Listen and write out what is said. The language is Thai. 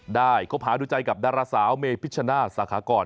คบหาดูใจกับดาราสาวเมพิชชนาศสาขากร